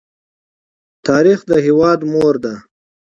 تاریخ د هېواد مور ده.